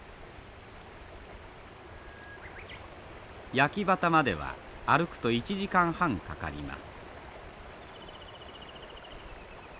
焼畑までは歩くと１時間半かかります。